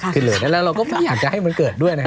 คือเรื่องนั้นเราก็ไม่อยากจะให้มันเกิดด้วยนะครับ